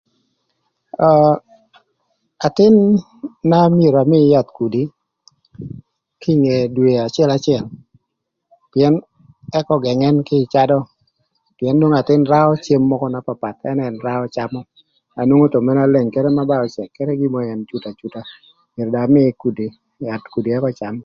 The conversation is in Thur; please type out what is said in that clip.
Öö athïn na myero amïï yath kudi, kinge dwe acëlacël pïën ëk ögëng ën kï ï cadö, pïën nwongo athïn raö cem mökö na papath ënë ën camö, na nwongo thon mana leng kede na bara öcëk kadi gin mörö këkën cuto acuta myero do amïï kudi, yath kudi ëk öcam.